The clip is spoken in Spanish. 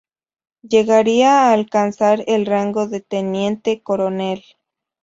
Llegaría a alcanzar el rango de teniente coronel.